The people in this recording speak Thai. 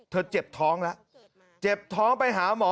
เจ็บท้องแล้วเจ็บท้องไปหาหมอ